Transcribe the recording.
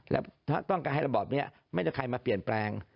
และต้องการให้ระบอบนี้ไม่มีใครมาเปลี่ยนแปลง